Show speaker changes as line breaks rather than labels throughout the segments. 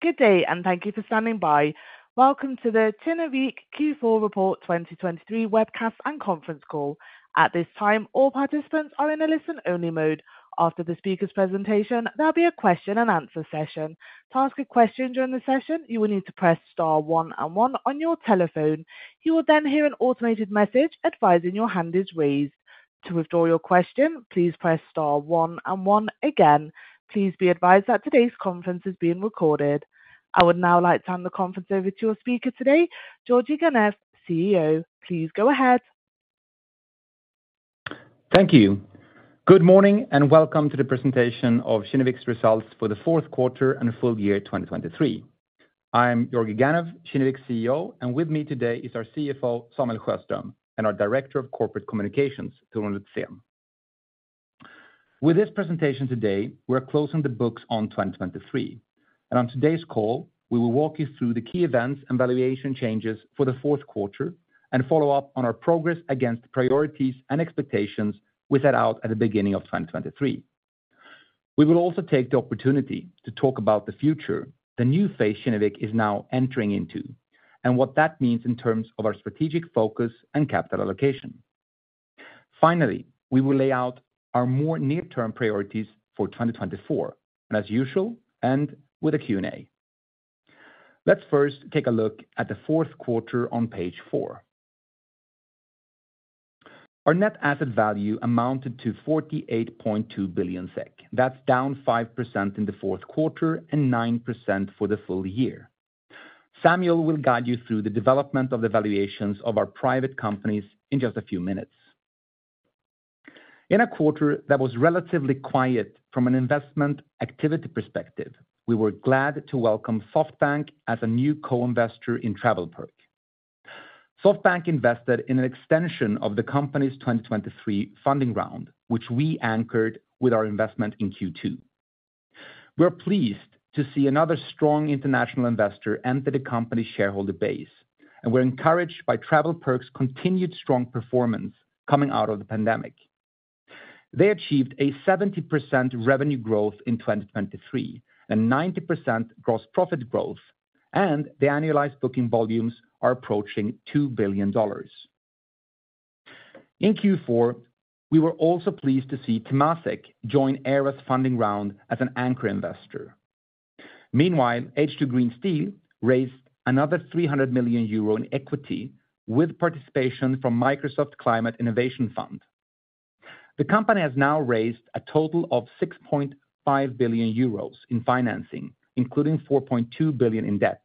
Good day, and thank you for standing by. Welcome to the Kinnevik Q4 Report 2023 webcast and conference call. At this time, all participants are in a listen-only mode. After the speaker's presentation, there'll be a question and answer session. To ask a question during the session, you will need to press star one and one on your telephone. You will then hear an automated message advising your hand is raised. To withdraw your question, please press star one and one again. Please be advised that today's conference is being recorded. I would now like to hand the conference over to our speaker today, Georgi Ganev, Chief Executive Officer. Please go ahead.
Thank you. Good morning, and welcome to the presentation of Kinnevik's results for the fourth quarter and full year 2023. I'm Georgi Ganev, Kinnevik's Chief Executive Officer, and with me today is our Chief Financial Officer, Samuel Sjöström, and our Director of Corporate Communications, Torun Litzén. With this presentation today, we're closing the books on 2023. On today's call, we will walk you through the key events and valuation changes for the fourth quarter and follow up on our progress against the priorities and expectations we set out at the beginning of 2023. We will also take the opportunity to talk about the future, the new phase Kinnevik is now entering into, and what that means in terms of our strategic focus and capital allocation. Finally, we will lay out our more near-term priorities for 2024, and as usual, end with a Q&A. Let's first take a look at the fourth quarter on page four. Our net asset value amounted to 48.2 billion SEK. That's down 5% in the fourth quarter and 9% for the full year. Samuel will guide you through the development of the valuations of our private companies in just a few minutes. In a quarter that was relatively quiet from an investment activity perspective, we were glad to welcome SoftBank as a new co-investor in TravelPerk. SoftBank invested in an extension of the company's 2023 funding round, which we anchored with our investment in Q2. We're pleased to see another strong international investor enter the company shareholder base, and we're encouraged by TravelPerk's continued strong performance coming out of the pandemic. They achieved 70% revenue growth in 2023 and 90% gross profit growth, and the annualized booking volumes are approaching $2 billion. In Q4, we were also pleased to see Temasek join Aira's funding round as an anchor investor. Meanwhile, H2 Green Steel raised another 300 million euro in equity with participation from Microsoft Climate Innovation Fund. The company has now raised a total of 6.5 billion euros in financing, including 4.2 billion in debt,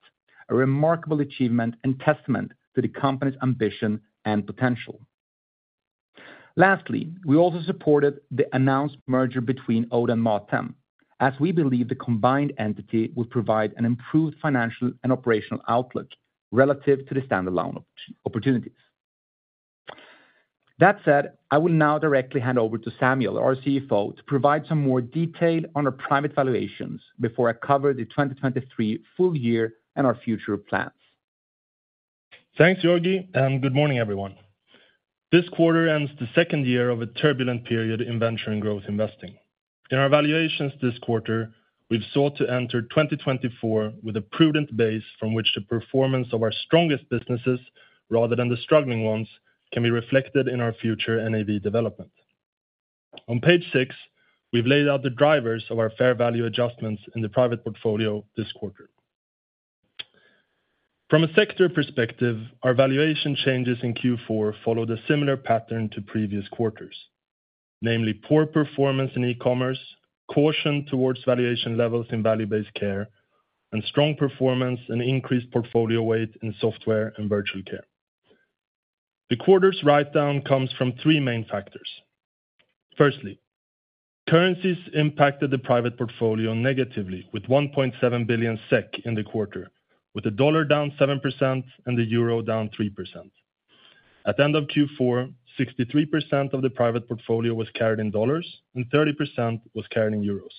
a remarkable achievement and testament to the company's ambition and potential. Lastly, we also supported the announced merger between Oda and Mathem, as we believe the combined entity will provide an improved financial and operational outlook relative to the standalone opportunities. That said, I will now directly hand over to Samuel, our Chief Financial Officer, to provide some more detail on our private valuations before I cover the 2023 full year and our future plans.
Thanks, Georgi, and good morning, everyone. This quarter ends the second year of a turbulent period in venture and growth investing. In our valuations this quarter, we've sought to enter 2024 with a prudent base from which the performance of our strongest businesses, rather than the struggling ones, can be reflected in our future NAV development. On page six, we've laid out the drivers of our fair value adjustments in the private portfolio this quarter. From a sector perspective, our valuation changes in Q4 followed a similar pattern to previous quarters, namely poor performance in e-commerce, caution towards valuation levels in value-based care, and strong performance and increased portfolio weight in software and virtual care. The quarter's write-down comes from three main factors. Firstly, currencies impacted the private portfolio negatively, with 1.7 billion SEK in the quarter, with the dollar down 7% and the euro down 3%. At the end of Q4, 63% of the private portfolio was carried in dollars and 30% was carried in euros.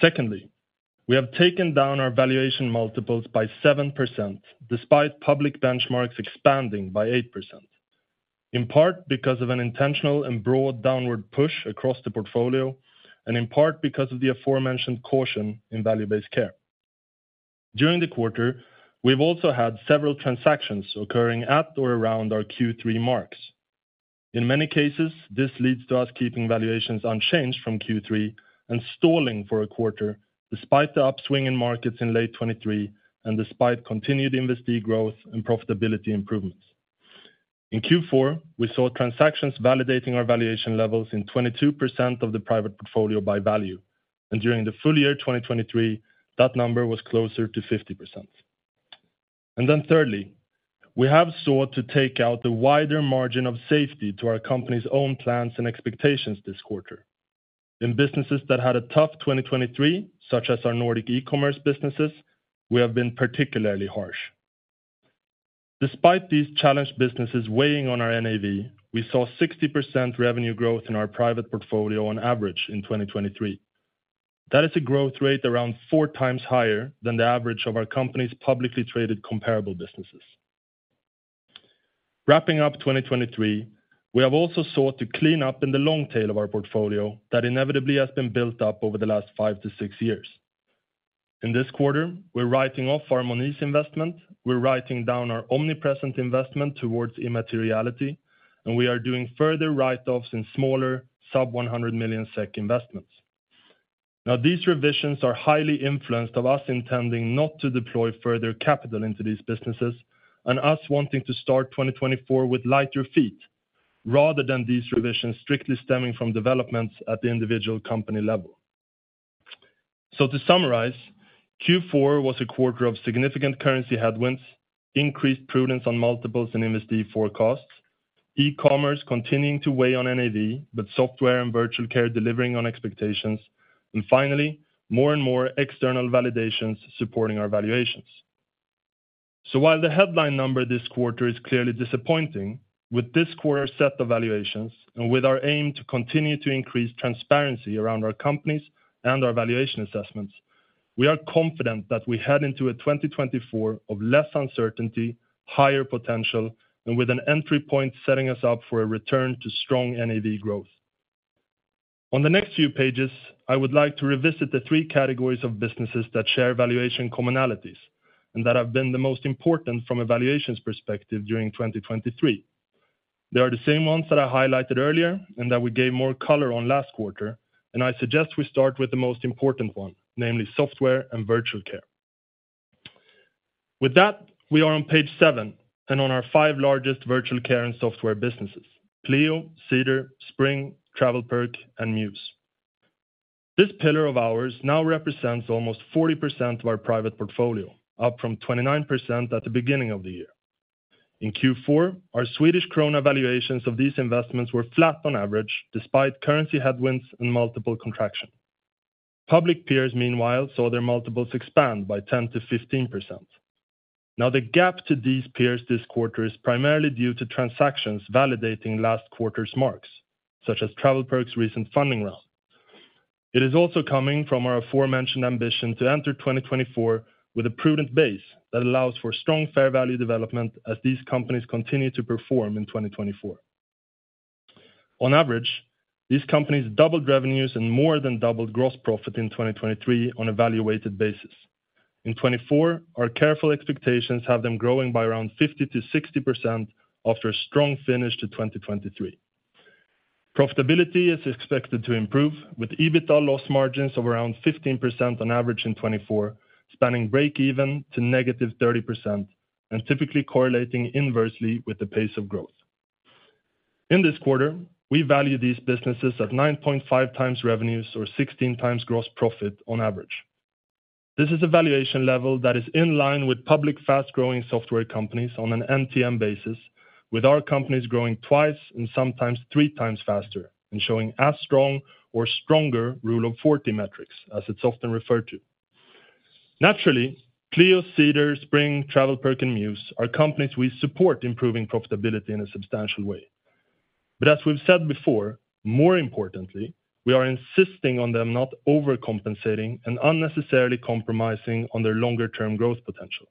Secondly, we have taken down our valuation multiples by 7%, despite public benchmarks expanding by 8%, in part because of an intentional and broad downward push across the portfolio and in part because of the aforementioned caution in value-based care. During the quarter, we've also had several transactions occurring at or around our Q3 marks. In many cases, this leads to us keeping valuations unchanged from Q3 and stalling for a quarter despite the upswing in markets in late 2023 and despite continued investee growth and profitability improvements. In Q4, we saw transactions validating our valuation levels in 22% of the private portfolio by value, and during the full year 2023, that number was closer to 50%. And then thirdly, we have sought to take out the wider margin of safety to our company's own plans and expectations this quarter. In businesses that had a tough 2023, such as our Nordic e-commerce businesses, we have been particularly harsh. Despite these challenged businesses weighing on our NAV, we saw 60% revenue growth in our private portfolio on average in 2023. That is a growth rate around four times higher than the average of our company's publicly traded comparable businesses.... Wrapping up 2023, we have also sought to clean up in the long tail of our portfolio that inevitably has been built up over the last five to six years. In this quarter, we're writing off our Monese investment, we're writing down our Omnipresent investment towards immateriality, and we are doing further write-offs in smaller sub-100 million SEK investments. Now, these revisions are highly influenced by us intending not to deploy further capital into these businesses, and us wanting to start 2024 with lighter feet, rather than these revisions strictly stemming from developments at the individual company level. So to summarize, Q4 was a quarter of significant currency headwinds, increased prudence on multiples and investment capex costs, e-commerce continuing to weigh on NAV, but software and virtual care delivering on expectations, and finally, more and more external validations supporting our valuations. While the headline number this quarter is clearly disappointing, with this quarter's set of valuations and with our aim to continue to increase transparency around our companies and our valuation assessments, we are confident that we head into 2024 of less uncertainty, higher potential, and with an entry point setting us up for a return to strong NAV growth. On the next few pages, I would like to revisit the three categories of businesses that share valuation commonalities, and that have been the most important from a valuations perspective during 2023. They are the same ones that I highlighted earlier and that we gave more color on last quarter, and I suggest we start with the most important one, namely software and virtual care. With that, we are on page seven and on our five largest virtual care and software businesses, Pleo, Cedar, Spring, TravelPerk, and Mews. This pillar of ours now represents almost 40% of our private portfolio, up from 29% at the beginning of the year. In Q4, our Swedish krona valuations of these investments were flat on average, despite currency headwinds and multiple contraction. Public peers, meanwhile, saw their multiples expand by 10% to 15%. Now, the gap to these peers this quarter is primarily due to transactions validating last quarter's marks, such as TravelPerk's recent funding round. It is also coming from our aforementioned ambition to enter 2024 with a prudent base that allows for strong fair value development as these companies continue to perform in 2024. On average, these companies doubled revenues and more than doubled gross profit in 2023 on a value-weighted basis. In 2024, our careful expectations have them growing by around 50% to 60% after a strong finish to 2023. Profitability is expected to improve, with EBITDA loss margins of around 15% on average in 2024, spanning break-even to -30%, and typically correlating inversely with the pace of growth. In this quarter, we value these businesses at 9.5x revenues or 16x gross profit on average. This is a valuation level that is in line with public, fast-growing software companies on an MTM basis, with our companies growing twice and sometimes three times faster and showing as strong or stronger Rule of Forty metrics, as it's often referred to. Naturally, Pleo, Cedar, Spring, TravelPerk, and mews are companies we support improving profitability in a substantial way. But as we've said before, more importantly, we are insisting on them not overcompensating and unnecessarily compromising on their longer-term growth potential.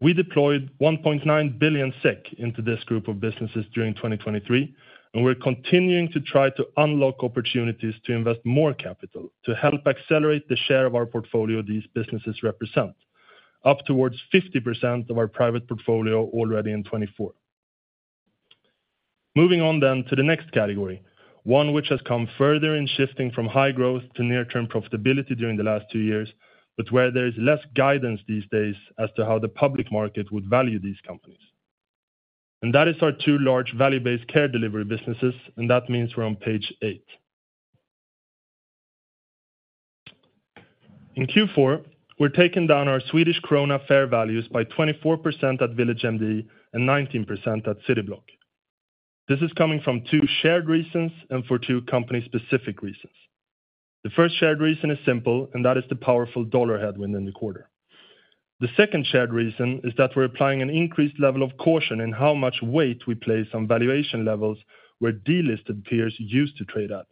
We deployed 1.9 billion SEK into this group of businesses during 2023, and we're continuing to try to unlock opportunities to invest more capital to help accelerate the share of our portfolio these businesses represent, up towards 50% of our private portfolio already in 2024. Moving on then to the next category, one which has come further in shifting from high growth to near-term profitability during the last two years, but where there is less guidance these days as to how the public market would value these companies. And that is our two large value-based care delivery businesses, and that means we're on page eight. In Q4, we're taking down our Swedish krona fair values by 24% at VillageMD and 19% at Cityblock. This is coming from two shared reasons and for two company-specific reasons. The first shared reason is simple, and that is the powerful dollar headwind in the quarter. The second shared reason is that we're applying an increased level of caution in how much weight we place on valuation levels where delisted peers used to trade at.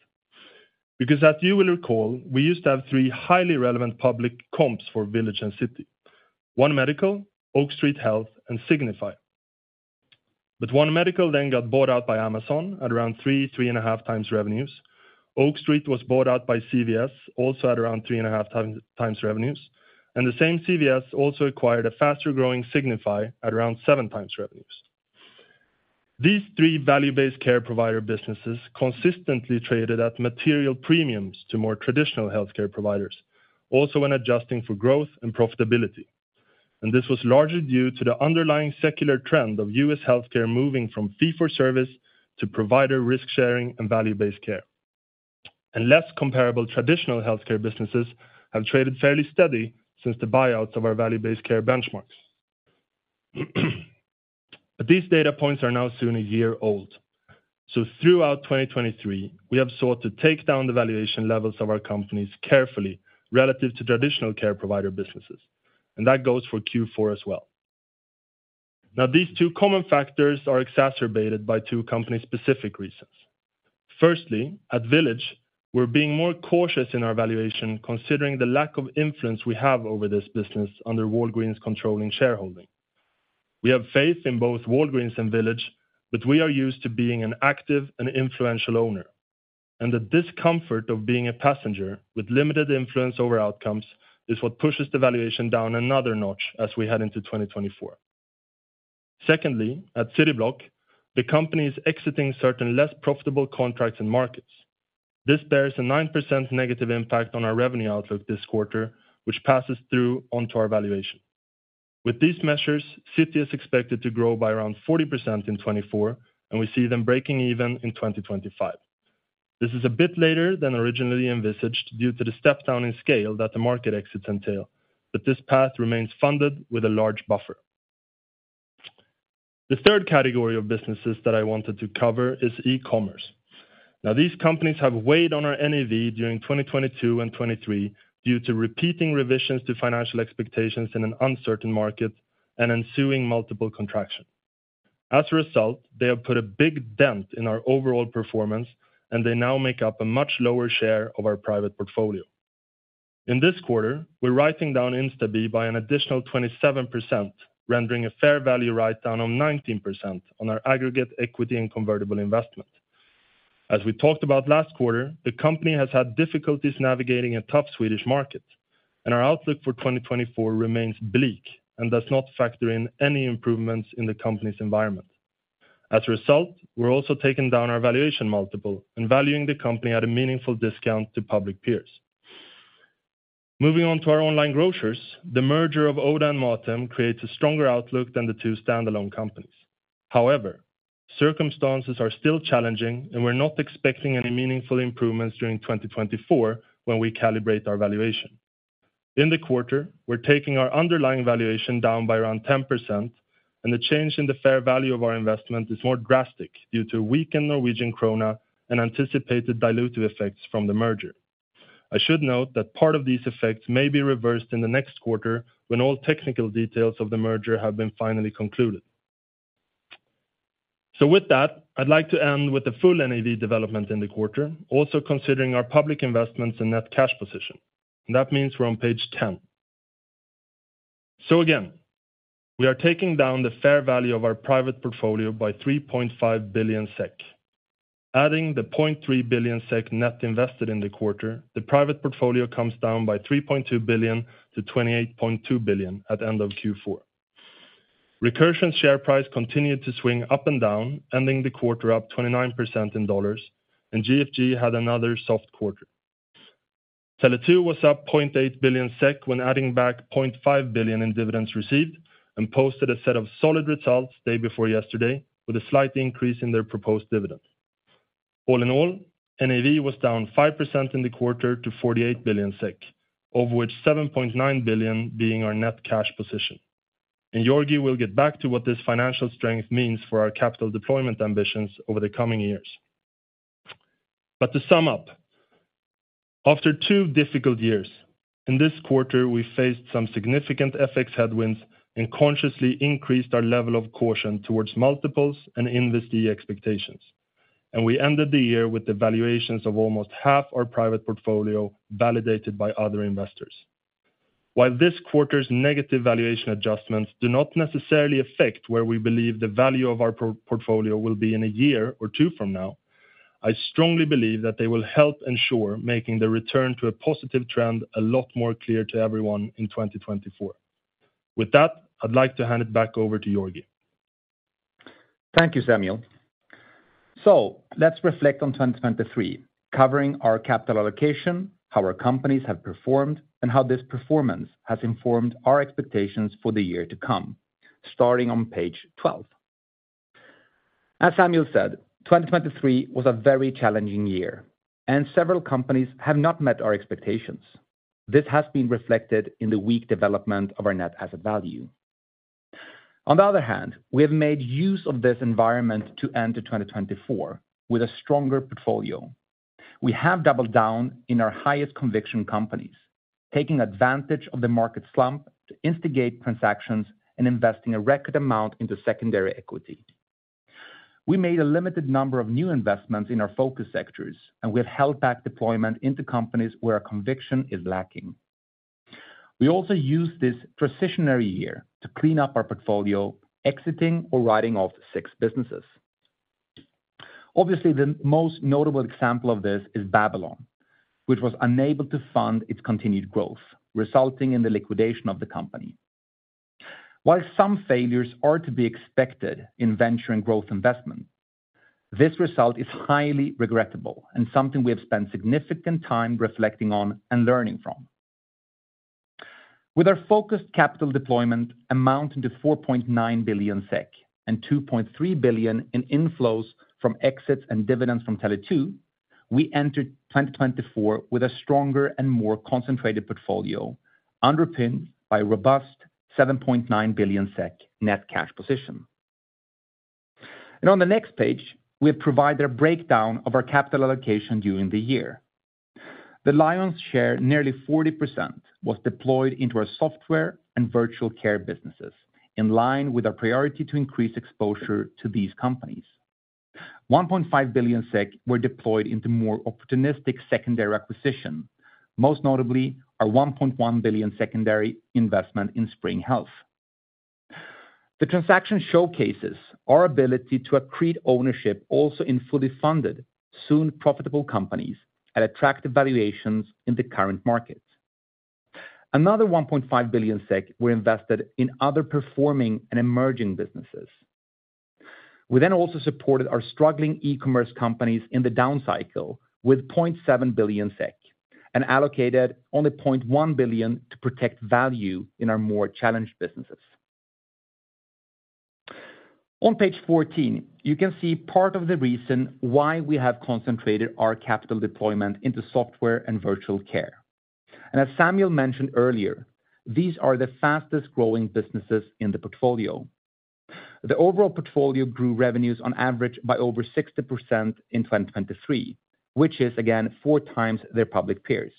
Because as you will recall, we used to have three highly relevant public comps for Village and City. One Medical, Oak Street Health, and Signify. But One Medical then got bought out by Amazon at around 3 to 3.5x revenues. Oak Street was bought out by CVS, also at around 3.5x revenues, and the same CVS also acquired a faster-growing Signify at around 7x revenues. These three value-based care provider businesses consistently traded at material premiums to more traditional healthcare providers, also when adjusting for growth and profitability. This was largely due to the underlying secular trend of U.S. healthcare moving from fee-for-service to provider risk-sharing and value-based care. Less comparable traditional healthcare businesses have traded fairly steady since the buyouts of our value-based care benchmarks. But these data points are now soon a year old. Throughout 2023, we have sought to take down the valuation levels of our companies carefully relative to traditional care provider businesses, and that goes for Q4 as well. Now, these two common factors are exacerbated by two company-specific reasons... Firstly, at Village, we're being more cautious in our valuation, considering the lack of influence we have over this business under Walgreens controlling shareholding. We have faith in both Walgreens and Village, but we are used to being an active and influential owner, and the discomfort of being a passenger with limited influence over outcomes is what pushes the valuation down another notch as we head into 2024. Secondly, at Cityblock, the company is exiting certain less profitable contracts and markets. This bears a 9% negative impact on our revenue outlook this quarter, which passes through onto our valuation. With these measures, City is expected to grow by around 40% in 2024, and we see them breaking even in 2025. This is a bit later than originally envisaged, due to the step down in scale that the market exits entail, but this path remains funded with a large buffer. The third category of businesses that I wanted to cover is e-commerce. Now, these companies have weighed on our NAV during 2022 and 2023 due to repeating revisions to financial expectations in an uncertain market and ensuing multiple contraction. As a result, they have put a big dent in our overall performance, and they now make up a much lower share of our private portfolio. In this quarter, we're writing down Instabee by an additional 27%, rendering a fair value write down on 19% on our aggregate equity and convertible investment. As we talked about last quarter, the company has had difficulties navigating a tough Swedish market, and our outlook for 2024 remains bleak and does not factor in any improvements in the company's environment. As a result, we're also taking down our valuation multiple and valuing the company at a meaningful discount to public peers. Moving on to our online grocers, the merger of Oda and Mathem creates a stronger outlook than the two standalone companies. However, circumstances are still challenging, and we're not expecting any meaningful improvements during 2024 when we calibrate our valuation. In the quarter, we're taking our underlying valuation down by around 10%, and the change in the fair value of our investment is more drastic due to weakened Norwegian krone and anticipated dilutive effects from the merger. I should note that part of these effects may be reversed in the next quarter when all technical details of the merger have been finally concluded. So with that, I'd like to end with the full NAV development in the quarter, also considering our public investments in net cash position. That means we're on page 10. So again, we are taking down the fair value of our private portfolio by 3.5 billion SEK. Adding the 0.3 billion SEK net invested in the quarter, the private portfolio comes down by 3.2 billion to 28.2 billion at end of Q4. Recursion's share price continued to swing up and down, ending the quarter up 29% in dollars, and GFG had another soft quarter. Tele2 was up 0.8 billion SEK when adding back 0.5 billion in dividends received and posted a set of solid results day before yesterday, with a slight increase in their proposed dividend. All in all, NAV was down 5% in the quarter to 48 billion SEK, of which 7.9 billion being our net cash position. And Georgi will get back to what this financial strength means for our capital deployment ambitions over the coming years. But to sum up, after two difficult years, in this quarter, we faced some significant FX headwinds and consciously increased our level of caution towards multiples and investee expectations. And we ended the year with the valuations of almost half our private portfolio validated by other investors. While this quarter's negative valuation adjustments do not necessarily affect where we believe the value of our portfolio will be in a year or two from now, I strongly believe that they will help ensure making the return to a positive trend a lot more clear to everyone in 2024. With that, I'd like to hand it back over to Georgi.
Thank you, Samuel. So let's reflect on 2023, covering our capital allocation, how our companies have performed, and how this performance has informed our expectations for the year to come, starting on page 12. As Samuel said, 2023 was a very challenging year, and several companies have not met our expectations. This has been reflected in the weak development of our net asset value. On the other hand, we have made use of this environment to enter 2024 with a stronger portfolio. We have doubled down in our highest conviction companies, taking advantage of the market slump to instigate transactions and investing a record amount into secondary equity. We made a limited number of new investments in our focus sectors, and we have held back deployment into companies where our conviction is lacking. We also used this transitionary year to clean up our portfolio, exiting or writing off six businesses. Obviously, the most notable example of this is Babylon, which was unable to fund its continued growth, resulting in the liquidation of the company. While some failures are to be expected in venture and growth investment, this result is highly regrettable and something we have spent significant time reflecting on and learning from. With our focused capital deployment amounting to 4.9 billion SEK and 2.3 billion in inflows from exits and dividends from Tele2, we entered 2024 with a stronger and more concentrated portfolio, underpinned by a robust 7.9 billion SEK net cash position. On the next page, we have provided a breakdown of our capital allocation during the year... The lion's share, nearly 40%, was deployed into our software and virtual care businesses, in line with our priority to increase exposure to these companies. 1.5 billion SEK were deployed into more opportunistic secondary acquisition, most notably our 1.1 billion secondary investment in Spring Health. The transaction showcases our ability to accrete ownership also in fully funded, soon profitable companies at attractive valuations in the current markets. Another 1.5 billion SEK were invested in other performing and emerging businesses. We then also supported our struggling e-commerce companies in the down cycle with 0.7 billion SEK, and allocated only 0.1 billion to protect value in our more challenged businesses. On page 14, you can see part of the reason why we have concentrated our capital deployment into software and virtual care. As Samuel mentioned earlier, these are the fastest-growing businesses in the portfolio. The overall portfolio grew revenues on average by over 60% in 2023, which is again 4 times their public peers.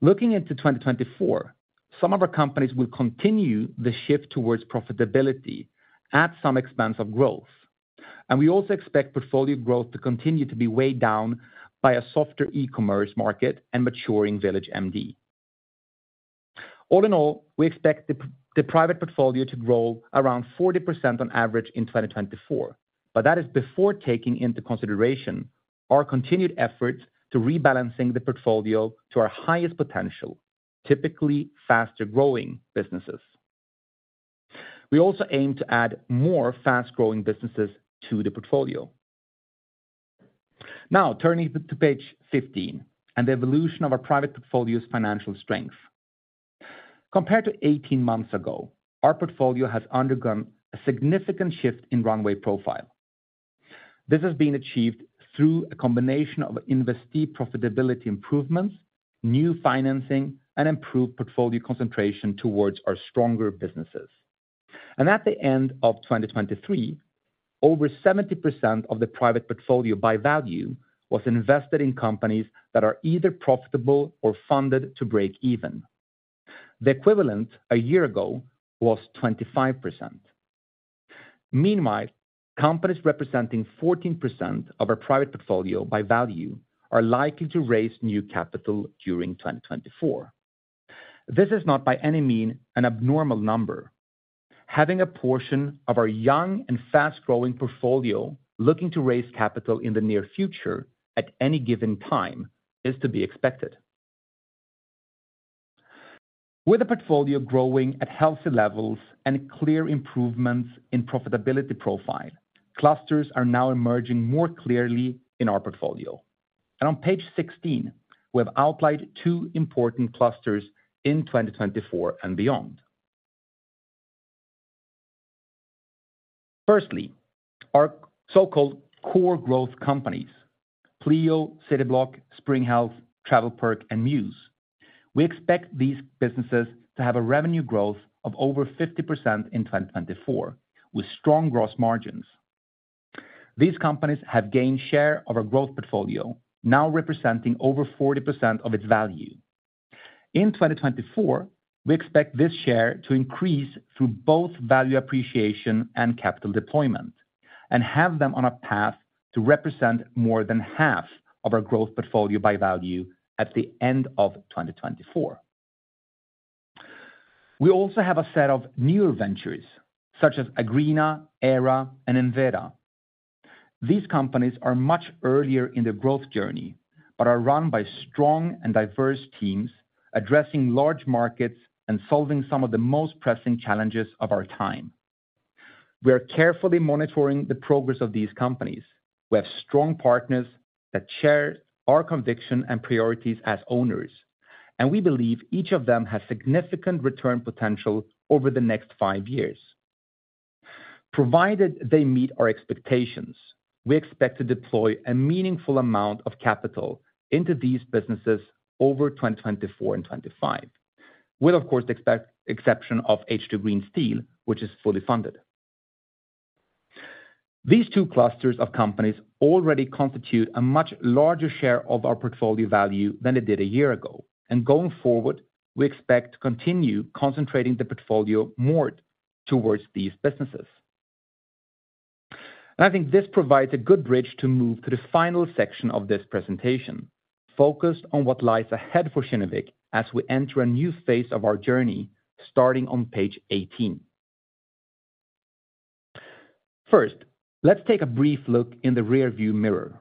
Looking into 2024, some of our companies will continue the shift towards profitability at some expense of growth. We also expect portfolio growth to continue to be weighed down by a softer e-commerce market and maturing VillageMD. All in all, we expect the private portfolio to grow around 40% on average in 2024, but that is before taking into consideration our continued efforts to rebalancing the portfolio to our highest potential, typically faster-growing businesses. We also aim to add more fast-growing businesses to the portfolio. Now, turning to page 15 and the evolution of our private portfolio's financial strength. Compared to 18 months ago, our portfolio has undergone a significant shift in runway profile. This has been achieved through a combination of investee profitability improvements, new financing, and improved portfolio concentration towards our stronger businesses. At the end of 2023, over 70% of the private portfolio by value was invested in companies that are either profitable or funded to break even. The equivalent a year ago was 25%. Meanwhile, companies representing 14% of our private portfolio by value are likely to raise new capital during 2024. This is not by any means, an abnormal number. Having a portion of our young and fast-growing portfolio looking to raise capital in the near future at any given time is to be expected. With the portfolio growing at healthy levels and clear improvements in profitability profile, clusters are now emerging more clearly in our portfolio. On page 16, we have outlined two important clusters in 2024 and beyond. Firstly, our so-called core growth companies, Pleo, Cityblock, Spring Health, TravelPerk, and Mews. We expect these businesses to have a revenue growth of over 50% in 2024, with strong gross margins. These companies have gained share of our growth portfolio, now representing over 40% of its value. In 2024, we expect this share to increase through both value appreciation and capital deployment, and have them on a path to represent more than half of our growth portfolio by value at the end of 2024. We also have a set of newer ventures such as Agreena, Aira, and Enveda. These companies are much earlier in their growth journey, but are run by strong and diverse teams, addressing large markets and solving some of the most pressing challenges of our time. We are carefully monitoring the progress of these companies. We have strong partners that share our conviction and priorities as owners, and we believe each of them has significant return potential over the next five years. Provided they meet our expectations, we expect to deploy a meaningful amount of capital into these businesses over 2024 and 2025. With, of course, exception of H2 Green Steel, which is fully funded. These two clusters of companies already constitute a much larger share of our portfolio value than they did a year ago, and going forward, we expect to continue concentrating the portfolio more towards these businesses. And I think this provides a good bridge to move to the final section of this presentation, focused on what lies ahead for Kinnevik as we enter a new phase of our journey, starting on page 18. First, let's take a brief look in the rearview mirror.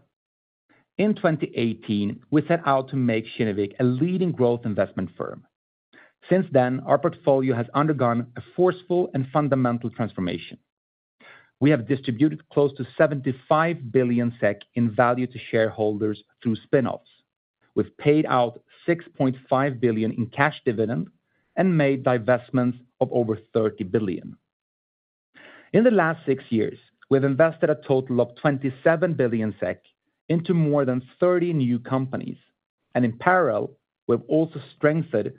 In 2018, we set out to make Kinnevik a leading growth investment firm. Since then, our portfolio has undergone a forceful and fundamental transformation. We have distributed close to 75 billion SEK in value to shareholders through spin-offs. We've paid out 6.5 billion in cash dividend and made divestments of over 30 billion. In the last six years, we've invested a total of 27 billion SEK into more than 30 new companies, and in parallel, we've also strengthened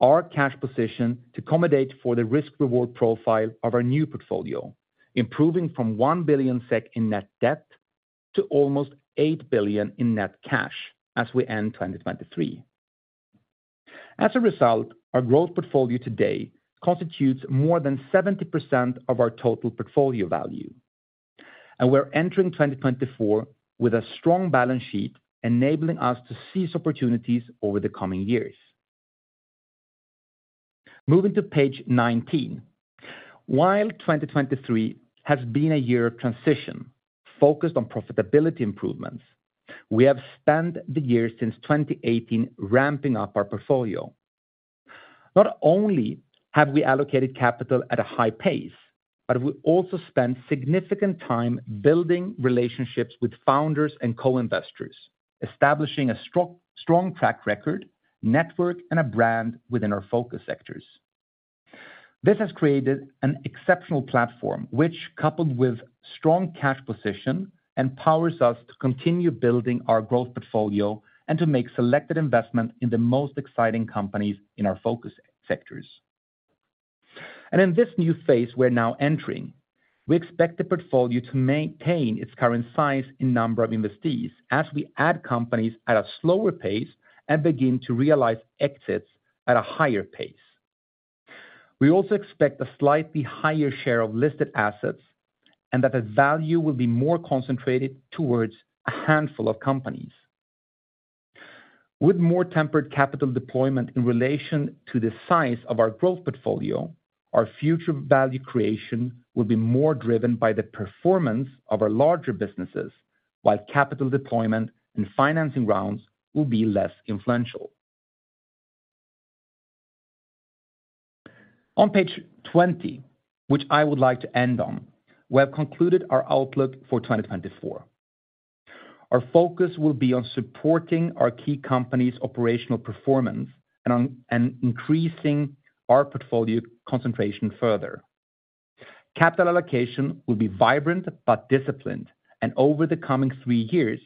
our cash position to accommodate for the risk-reward profile of our new portfolio, improving from 1 billion SEK in net debt to almost 8 billion in net cash as we end 2023. As a result, our growth portfolio today constitutes more than 70% of our total portfolio value, and we're entering 2024 with a strong balance sheet, enabling us to seize opportunities over the coming years. Moving to page 19. While 2023 has been a year of transition focused on profitability improvements, we have spent the years since 2018 ramping up our portfolio. Not only have we allocated capital at a high pace, but we also spent significant time building relationships with founders and co-investors, establishing a strong, strong track record, network, and a brand within our focus sectors. This has created an exceptional platform, which, coupled with strong cash position, empowers us to continue building our growth portfolio and to make selected investment in the most exciting companies in our focus sectors. In this new phase we're now entering, we expect the portfolio to maintain its current size and number of investees as we add companies at a slower pace and begin to realize exits at a higher pace. We also expect a slightly higher share of listed assets and that the value will be more concentrated towards a handful of companies. With more tempered capital deployment in relation to the size of our growth portfolio, our future value creation will be more driven by the performance of our larger businesses, while capital deployment and financing rounds will be less influential. On page 20, which I would like to end on, we have concluded our outlook for 2024. Our focus will be on supporting our key company's operational performance and on increasing our portfolio concentration further. Capital allocation will be vibrant but disciplined, and over the coming three years,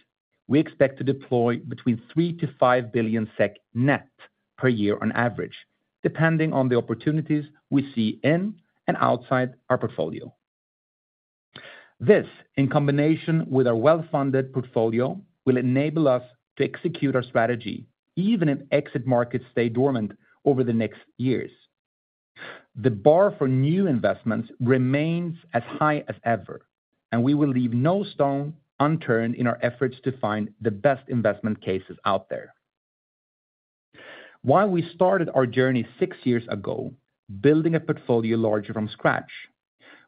we expect to deploy between 3 billion to 5 billion SEK net per year on average, depending on the opportunities we see in and outside our portfolio. This, in combination with our well-funded portfolio, will enable us to execute our strategy even if exit markets stay dormant over the next years. The bar for new investments remains as high as ever, and we will leave no stone unturned in our efforts to find the best investment cases out there. While we started our journey six years ago, building a portfolio larger from scratch,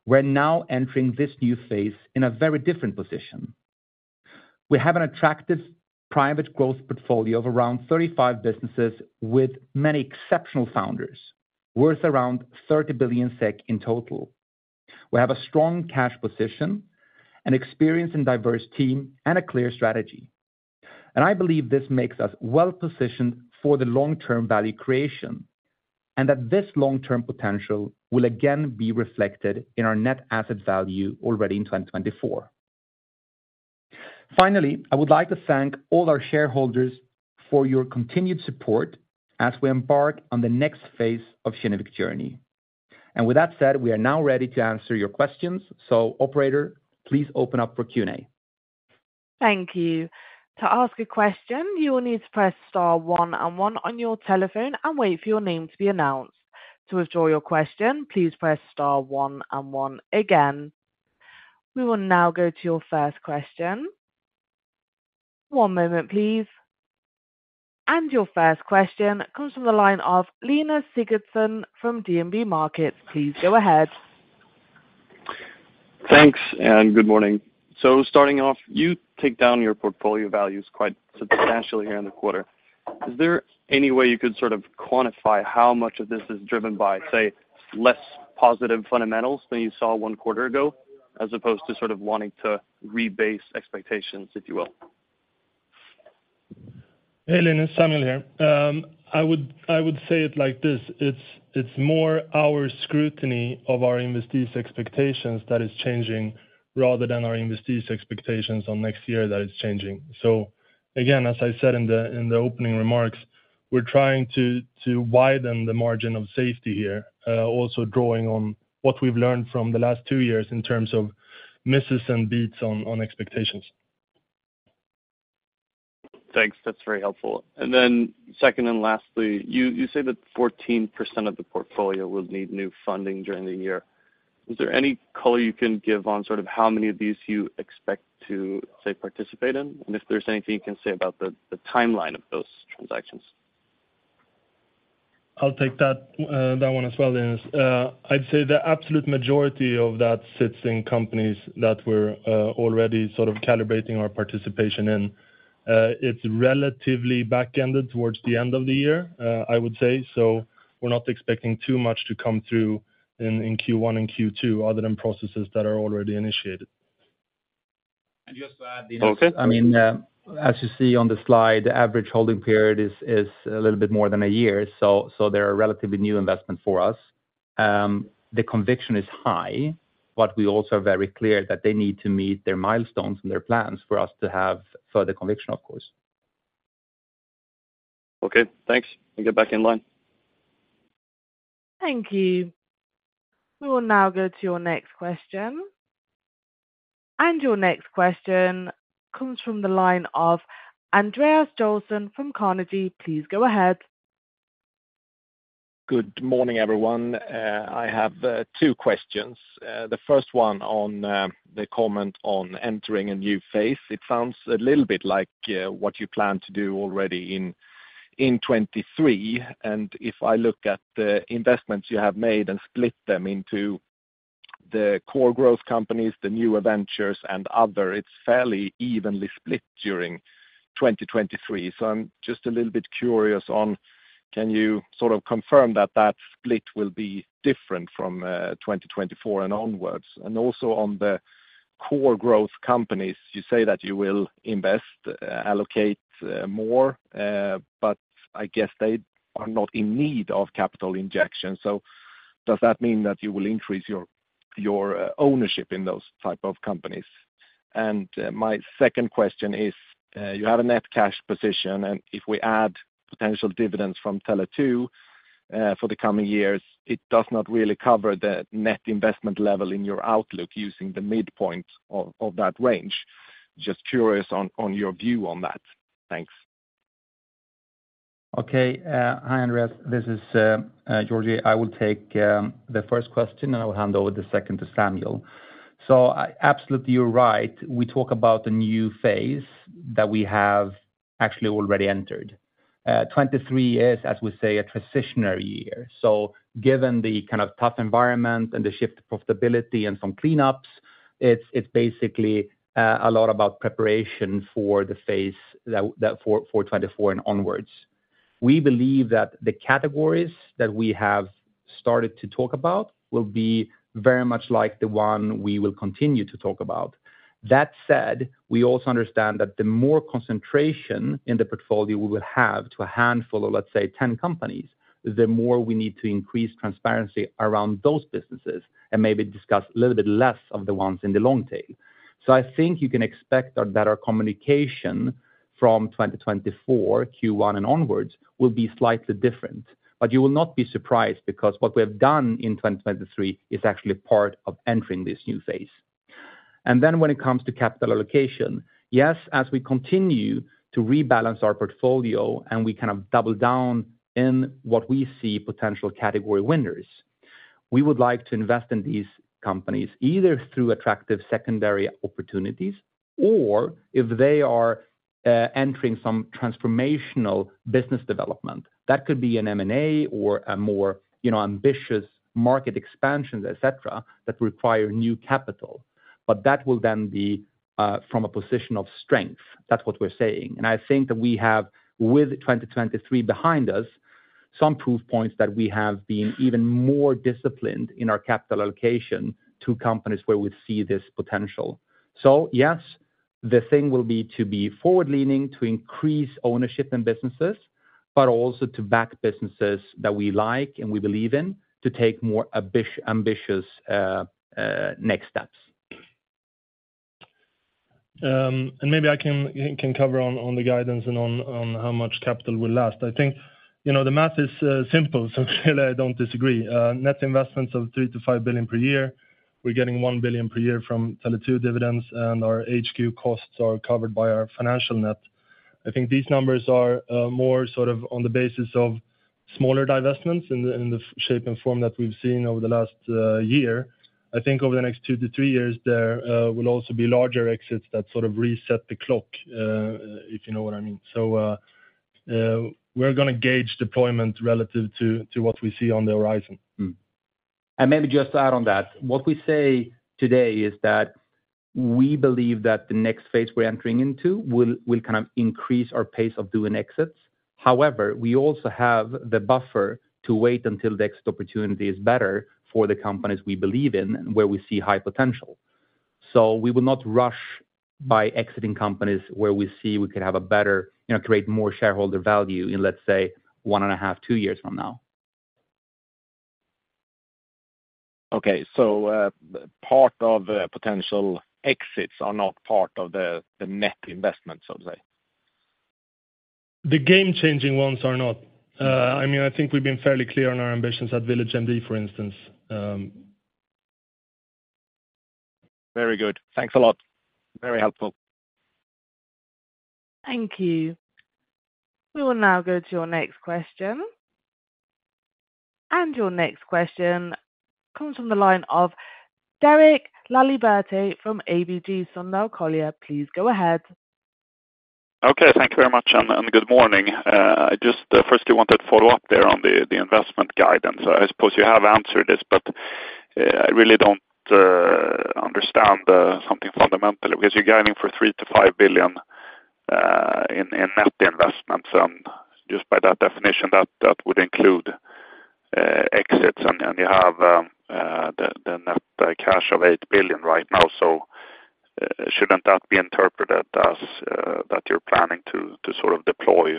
we're now entering this new phase in a very different position. We have an attractive private growth portfolio of around 35 businesses with many exceptional founders, worth around 30 billion SEK in total. We have a strong cash position, an experienced and diverse team, and a clear strategy. And I believe this makes us well-positioned for the long-term value creation, and that this long-term potential will again be reflected in our net asset value already in 2024. Finally, I would like to thank all our shareholders for your continued support as we embark on the next phase of Kinnevik's journey. And with that said, we are now ready to answer your questions. So operator, please open up for Q&A.
Thank you. To ask a question, you will need to press star one and one on your telephone and wait for your name to be announced. To withdraw your question, please press star one and one again. We will now go to your first question. One moment, please. And your first question comes from the line of Linus Sigurdsson from DNB Markets. Please go ahead.
Thanks, and good morning. So starting off, you take down your portfolio values quite substantially here in the quarter. Is there any way you could sort of quantify how much of this is driven by, say, less positive fundamentals than you saw one quarter ago, as opposed to sort of wanting to rebase expectations, if you will?
Hey, Linus, Samuel here. I would say it like this: it's more our scrutiny of our investees' expectations that is changing rather than our investees' expectations on next year that is changing. So again, as I said in the opening remarks, we're trying to widen the margin of safety here, also drawing on what we've learned from the last two years in terms of misses and beats on expectations.
Thanks. That's very helpful. And then, second, and lastly, you say that 14% of the portfolio will need new funding during the year. Is there any color you can give on sort of how many of these you expect to, say, participate in? And if there's anything you can say about the timeline of those transactions.
I'll take that, that one as well, Linus. I'd say the absolute majority of that sits in companies that we're already sort of calibrating our participation in. It's relatively back-ended towards the end of the year, I would say, so we're not expecting too much to come through in Q1 and Q2, other than processes that are already initiated.
And just to add, Linus-
Okay
I mean, as you see on the slide, the average holding period is a little bit more than a year, so they're a relatively new investment for us. The conviction is high, but we also are very clear that they need to meet their milestones and their plans for us to have further conviction, of course.
Okay, thanks. I'll get back in line.
Thank you. We will now go to your next question. Your next question comes from the line of Andreas Joelsson from Carnegie. Please go ahead.
Good morning, everyone. I have two questions. The first one on the comment on entering a new phase. It sounds a little bit like what you plan to do already in 2023. And if I look at the investments you have made and split them into the core growth companies, the newer ventures and other, it's fairly evenly split during 2023. So I'm just a little bit curious on, can you sort of confirm that that split will be different from 2024 and onwards? And also on the core growth companies, you say that you will invest, allocate, more, but I guess they are not in need of capital injection. So does that mean that you will increase your your ownership in those type of companies? My second question is, you have a net cash position, and if we add potential dividends from Tele2 for the coming years, it does not really cover the net investment level in your outlook using the midpoint of that range. Just curious on your view on that. Thanks.
Okay. Hi, Andreas, this is Georgi. I will take the first question, and I'll hand over the second to Samuel. So absolutely, you're right. We talk about the new phase that we have actually already entered. 2023 is, as we say, a transitional year. So given the kind of tough environment and the shift to profitability and some cleanups, it's basically a lot about preparation for the phase that for 2024 and onwards. We believe that the categories that we have started to talk about will be very much like the one we will continue to talk about. That said, we also understand that the more concentration in the portfolio we will have to a handful of, let's say, 10 companies, the more we need to increase transparency around those businesses and maybe discuss a little bit less of the ones in the long tail. So I think you can expect that our communication from 2024, Q1 and onwards, will be slightly different. But you will not be surprised, because what we have done in 2023 is actually part of entering this new phase. And then when it comes to capital allocation, yes, as we continue to rebalance our portfolio and we kind of double down in what we see potential category winners, we would like to invest in these companies, either through attractive secondary opportunities, or if they are, entering some transformational business development. That could be an M&A or a more, you know, ambitious market expansions, et cetera, that require new capital. But that will then be from a position of strength. That's what we're saying. And I think that we have, with 2023 behind us, some proof points that we have been even more disciplined in our capital allocation to companies where we see this potential. So yes, the thing will be to be forward-leaning, to increase ownership in businesses, but also to back businesses that we like and we believe in, to take more ambitious next steps.
Maybe I can cover on the guidance and on how much capital will last. I think, you know, the math is simple, so I don't disagree. Net investments of 3 billion to 5 billion per year. We're getting 1 billion per year from Tele2 dividends, and our HQ costs are covered by our financial net. I think these numbers are more sort of on the basis of smaller divestments in the shape and form that we've seen over the last year. I think over the next two to three years, there will also be larger exits that sort of reset the clock, if you know what I mean. So, we're gonna gauge deployment relative to what we see on the horizon.
Hmm. And maybe just to add on that, what we say today is that we believe that the next phase we're entering into will kind of increase our pace of doing exits. However, we also have the buffer to wait until the exit opportunity is better for the companies we believe in and where we see high potential. So we will not rush by exiting companies where we see we could have a better... You know, create more shareholder value in, let's say, one point five to two years from now.
Okay, so part of potential exits are not part of the net investment, so to say?
The game-changing ones are not. I mean, I think we've been fairly clear on our ambitions at VillageMD, for instance.
Very good. Thanks a lot. Very helpful.
Thank you. We will now go to your next question. Your next question comes from the line of Derek Laliberte from ABG Sundal Collier. Please go ahead.
Okay, thank you very much, and good morning. I just firstly wanted to follow up there on the investment guidance. I suppose you have answered this, but I really don't understand something fundamentally, because you're guiding for 3 to 5 billion in net investments, and just by that definition, that would include exits. You have the net cash of 8 billion right now, so shouldn't that be interpreted as that you're planning to sort of deploy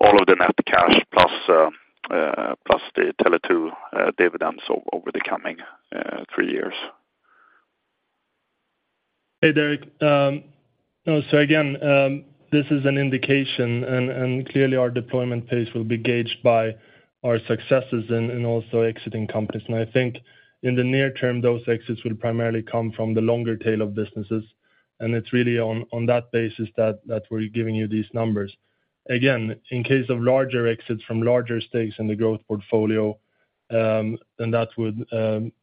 all of the net cash plus the Tele2 dividends over the coming three years?
Hey, Derek. No, so again, this is an indication, and, and clearly our deployment pace will be gauged by our successes and, and also exiting companies. And I think in the near term, those exits will primarily come from the longer tail of businesses, and it's really on, on that basis that, that we're giving you these numbers. Again, in case of larger exits from larger stakes in the growth portfolio, then that would,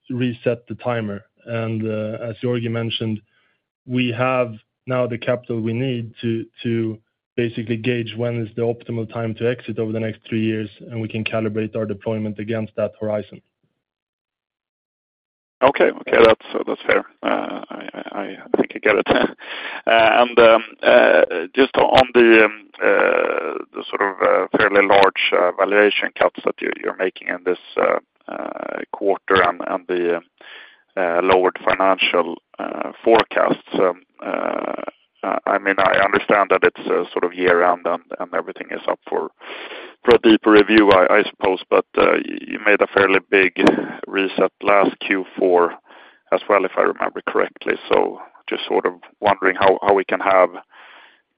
reset the timer. And, as Georgi mentioned, we have now the capital we need to, to basically gauge when is the optimal time to exit over the next three years, and we can calibrate our deployment against that horizon.
Okay. Okay, that's fair. I think I get it. And just on the sort of fairly large valuation cuts that you're making in this quarter and the lowered financial forecasts, I mean, I understand that it's a sort of year-end and everything is up for a deeper review, I suppose, but you made a fairly big reset last Q4 as well, if I remember correctly. So just sort of wondering how we can have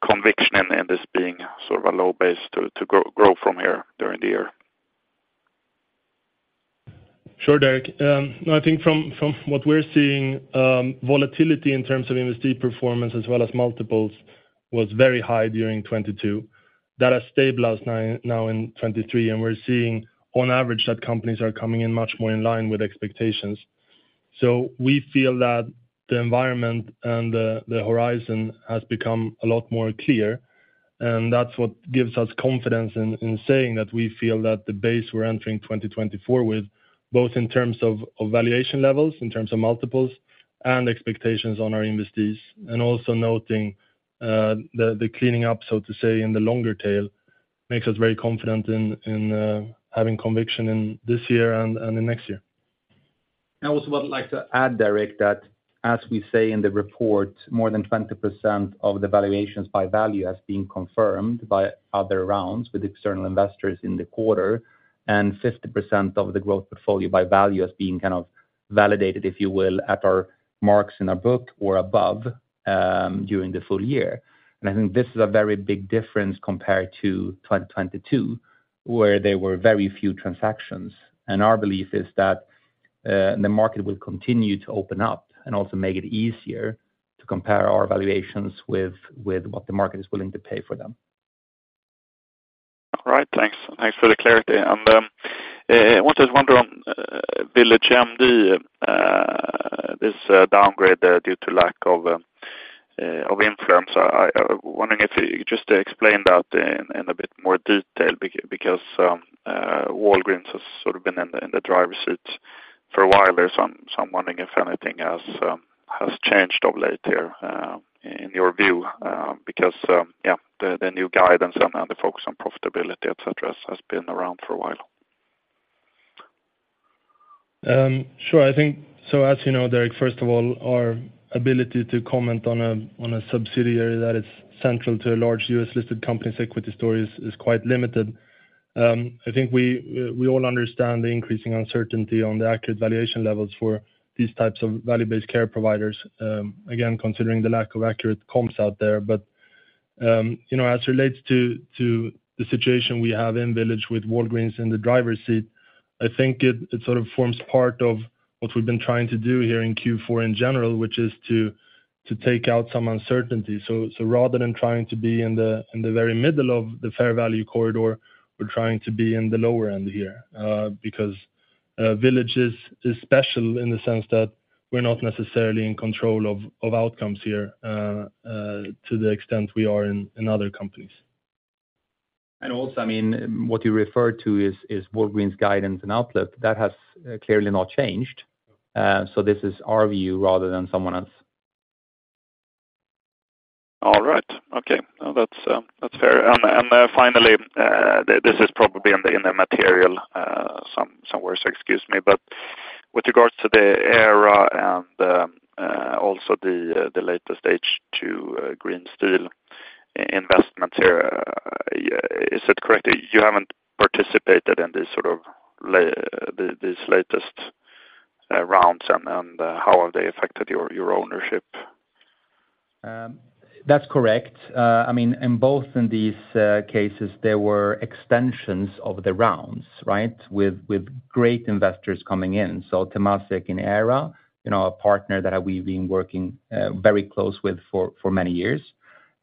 conviction in this being sort of a low base to grow from here during the year.
Sure, Derek. No, I think from, from what we're seeing, volatility in terms of MSD performance as well as multiples, was very high during 2022. That has stabilized last nine now in 2023, and we're seeing on average, that companies are coming in much more in line with expectations. So we feel that the environment and the, the horizon has become a lot more clear, and that's what gives us confidence in, in saying that we feel that the base we're entering 2024 with, both in terms of, of valuation levels, in terms of multiples and expectations on our investees, and also noting, the, the cleaning up, so to say, in the longer tail, makes us very confident in, in, having conviction in this year and, and in next year.
I also would like to add, Derek, that as we say in the report, more than 20% of the valuations by value as being confirmed by other rounds with external investors in the quarter, and 50% of the growth portfolio by value as being kind of validated, if you will, at our marks in our book or above, during the full year. I think this is a very big difference compared to 2022, where there were very few transactions. Our belief is that the market will continue to open up and also make it easier to compare our valuations with what the market is willing to pay for them.
All right. Thanks, thanks for the clarity. And I was just wondering on VillageMD, this downgrade due to lack of influence. I'm wondering if you just explain that in a bit more detail, because Walgreens has sort of been in the driver's seat for a while there, so I'm wondering if anything has changed of late here in your view, because yeah, the new guidance and the focus on profitability, et cetera, has been around for a while.
Sure. I think, so as you know, Derek, first of all, our ability to comment on a, on a subsidiary that is central to a large U.S.-listed company's equity stories is quite limited. I think we, we all understand the increasing uncertainty on the accurate valuation levels for these types of value-based care providers, again, considering the lack of accurate comps out there. But, you know, as it relates to, to the situation we have in VillageMD with Walgreens in the driver's seat, I think it, it sort of forms part of what we've been trying to do here in Q4 in general, which is to, to take out some uncertainty. So, rather than trying to be in the very middle of the fair value corridor, we're trying to be in the lower end here, because Village is special in the sense that we're not necessarily in control of outcomes here, to the extent we are in other companies.
And also, I mean, what you refer to is, is Walgreens guidance and outlook. That has clearly not changed, so this is our view rather than someone else.
All right. Okay. No, that's fair. And finally, this is probably in the material somewhere, so excuse me, but with regards to Aira and also the later-stage H2 Green Steel investment here, is it correct that you haven't participated in this sort of latest rounds, and how have they affected your ownership?
That's correct. I mean, in both these cases, there were extensions of the rounds, right? With great investors coming in, so Temasek and Aira, you know, a partner that we've been working very close with for many years,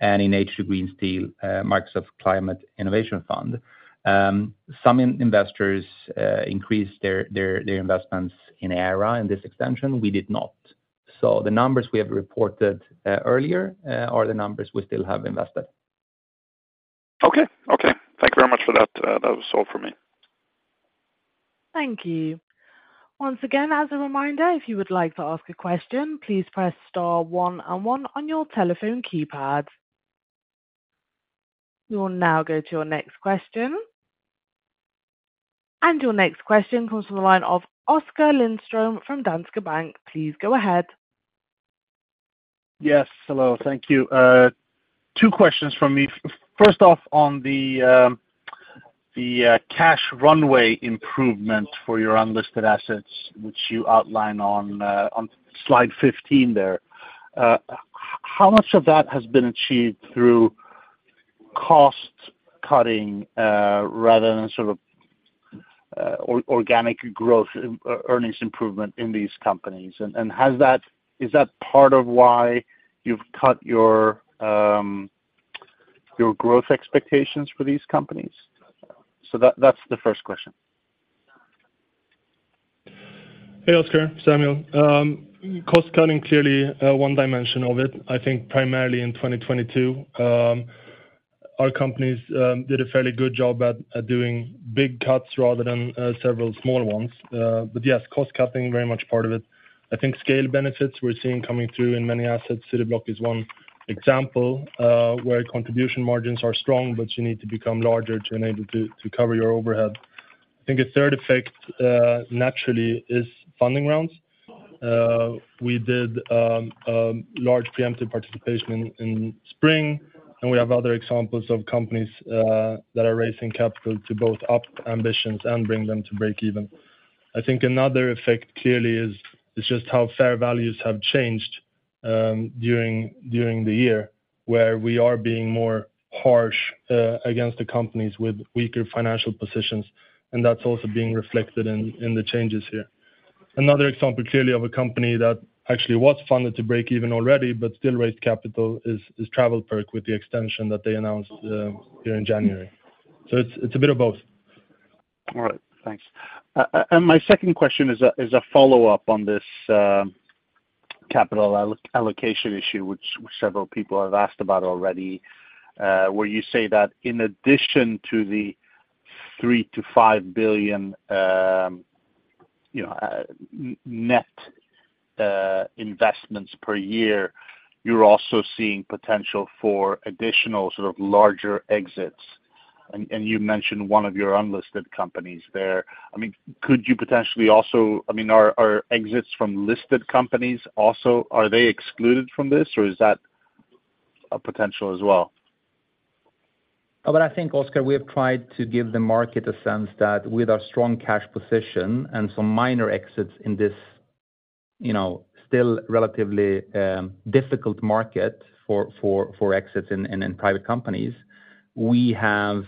and in H2 Green Steel, Microsoft Climate Innovation Fund. Some investors increased their investments in Aira in this extension, we did not. So the numbers we have reported earlier are the numbers we still have invested.
Okay. Okay, thank you very much for that. That was all for me.
Thank you. Once again, as a reminder, if you would like to ask a question, please press star one on one on your telephone keypad. We'll now go to your next question. And your next question comes from the line of Oscar Lindström from Danske Bank. Please go ahead.
Yes, hello. Thank you. Two questions from me. First off, on the cash runway improvement for your unlisted assets, which you outline on slide 15 there. How much of that has been achieved through cost cutting, rather than sort of organic growth, earnings improvement in these companies? And is that part of why you've cut your growth expectations for these companies? So that's the first question.
Hey, Oscar, Samuel. Cost cutting, clearly, one dimension of it. I think primarily in 2022, our companies did a fairly good job at, at doing big cuts rather than, several small ones. But yes, cost cutting, very much part of it. I think scale benefits we're seeing coming through in many assets. Cityblock is one example, where contribution margins are strong, but you need to become larger to enable to, to cover your overhead. I think a third effect, naturally, is funding rounds. We did, large preemptive participation in, in spring, and we have other examples of companies, that are raising capital to both up ambitions and bring them to breakeven. I think another effect, clearly is just how fair values have changed during the year, where we are being more harsh against the companies with weaker financial positions, and that's also being reflected in the changes here. Another example, clearly, of a company that actually was funded to breakeven already, but still raised capital, is TravelPerk with the extension that they announced during January. So it's a bit of both.
All right. Thanks. And my second question is a follow-up on this capital allocation issue, which several people have asked about already. Where you say that in addition to the 3 billion to 5 billion, you know, net investments per year, you're also seeing potential for additional sort of larger exits. And you mentioned one of your unlisted companies there. I mean, could you potentially also... I mean, are exits from listed companies also, are they excluded from this, or is that a potential as well?
But I think, Oscar, we have tried to give the market a sense that with our strong cash position and some minor exits in this, you know, still relatively difficult market for exits in private companies, we have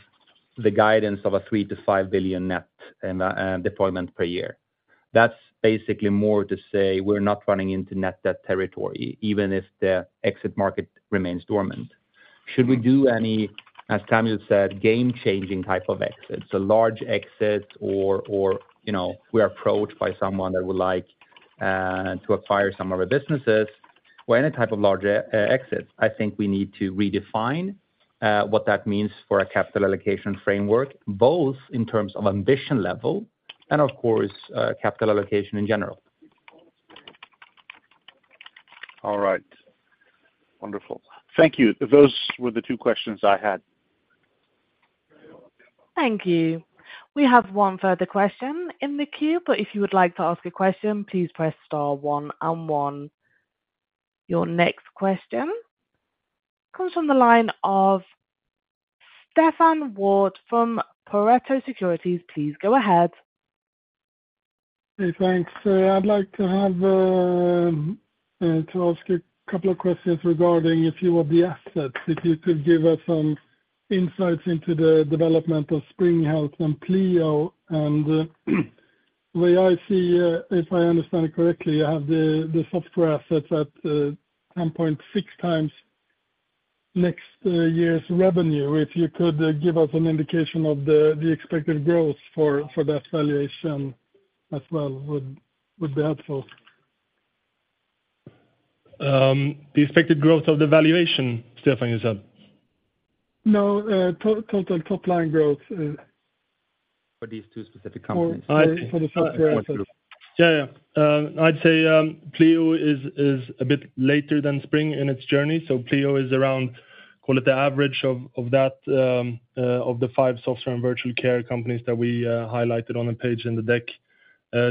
the guidance of a 3 billion to 5 billion net deployment per year. That's basically more to say we're not running into net debt territory, even if the exit market remains dormant. Should we do any, as Samuel said, game-changing type of exits, a large exit or, you know, we are approached by someone that would like to acquire some of our businesses, or any type of large exit, I think we need to redefine what that means for our capital allocation framework, both in terms of ambition level and, of course, capital allocation in general.
All right. Wonderful. Thank you. Those were the two questions I had.
Thank you. We have one further question in the queue, but if you would like to ask a question, please press star one and one. Your next question comes from the line of Stefan Wård from Pareto Securities. Please go ahead.
Hey, thanks. So I'd like to ask a couple of questions regarding a few of the assets. If you could give us some insights into the development of Spring Health and Pleo. And, the way I see, if I understand it correctly, you have the software assets at 1.6x next year's revenue. If you could give us an indication of the expected growth for that valuation as well, would be helpful.
The expected growth of the valuation, Stefan, you said?
No, total top-line growth.
For these two specific companies.
For the software.
Yeah, yeah. I'd say Pleo is a bit later than Spring in its journey. So Pleo is around, call it the average of that of the five software and virtual care companies that we highlighted on the page in the deck.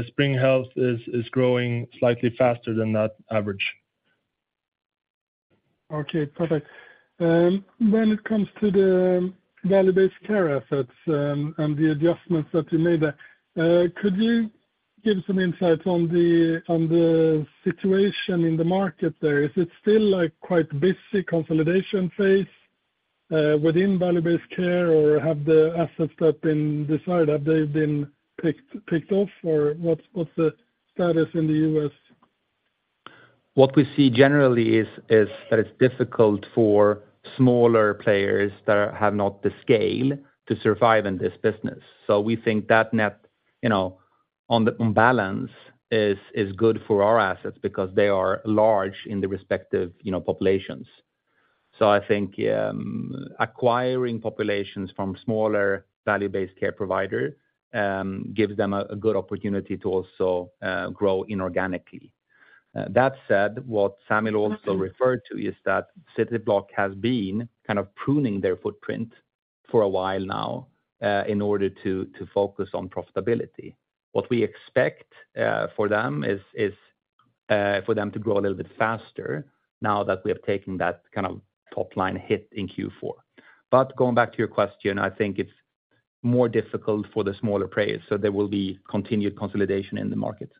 Spring Health is growing slightly faster than that average.
Okay, perfect. When it comes to the value-based care assets, and the adjustments that you made there, could you give some insight on the situation in the market there? Is it still, like, quite busy consolidation phase within value-based care, or have the assets that been decided, have they been picked off, or what's the status in the U.S.?
What we see generally is that it's difficult for smaller players that have not the scale to survive in this business. So we think that net, you know, on the balance, is good for our assets because they are large in the respective, you know, populations. So I think, acquiring populations from smaller value-based care provider gives them a good opportunity to also grow inorganically. That said, what Samuel also referred to is that Cityblock has been kind of pruning their footprint for a while now in order to focus on profitability. What we expect for them is for them to grow a little bit faster now that we have taken that kind of top line hit in Q4. But going back to your question, I think it's more difficult for the smaller players, so there will be continued consolidation in the market.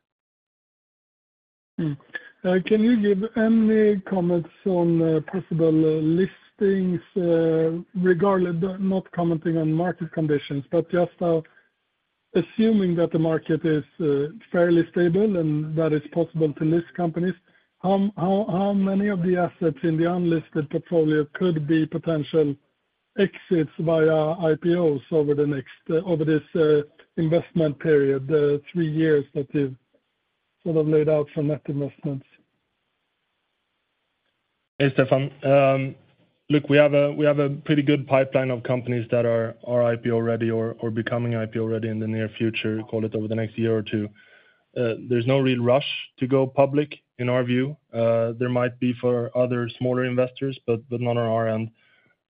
Can you give any comments on possible listings, regardless, but not commenting on market conditions, but just assuming that the market is fairly stable and that it's possible to list companies, how many of the assets in the unlisted portfolio could be potential exits via IPOs over this investment period, the three years that you've sort of laid out for net investments?
Hey, Stefan. Look, we have a pretty good pipeline of companies that are IPO-ready or becoming IPO-ready in the near future, call it over the next year or two. There's no real rush to go public, in our view. There might be for other smaller investors, but not on our end.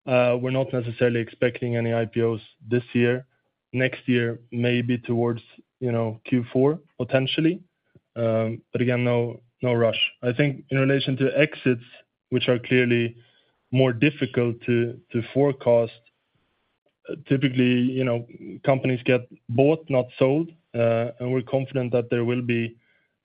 We're not necessarily expecting any IPOs this year. Next year, maybe towards, you know, Q4, potentially. But again, no rush. I think in relation to exits, which are clearly more difficult to forecast, typically, you know, companies get bought, not sold, and we're confident that there will be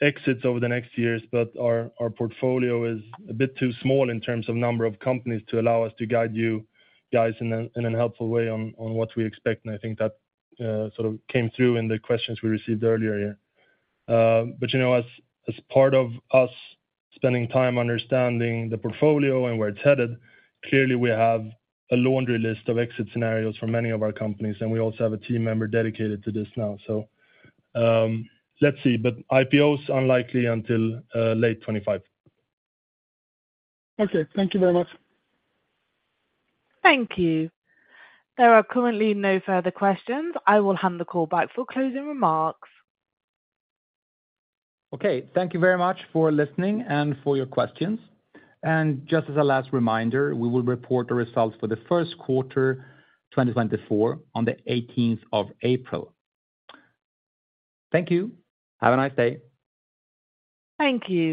exits over the next years. But our portfolio is a bit too small in terms of number of companies to allow us to guide you guys in a helpful way on what we expect, and I think that sort of came through in the questions we received earlier, yeah. But, you know, as part of us spending time understanding the portfolio and where it's headed, clearly we have a laundry list of exit scenarios for many of our companies, and we also have a team member dedicated to this now. So, let's see, but IPOs are unlikely until late 2025.
Okay. Thank you very much.
Thank you. There are currently no further questions. I will hand the call back for closing remarks.
Okay, thank you very much for listening and for your questions. Just as a last reminder, we will report the results for the first quarter, 2024, on the eighteenth of April. Thank you. Have a nice day.
Thank you.